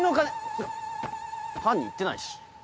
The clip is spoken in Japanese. つか犯人言ってないし。